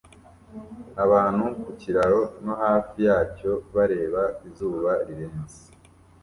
Abantu ku kiraro no hafi yacyo bareba izuba rirenze